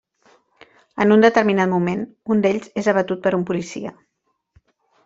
En un determinat moment, un d'ells és abatut per un policia.